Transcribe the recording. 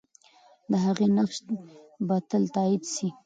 د هغې نقش به تل تایید سي.